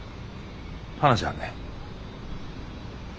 話あんねん。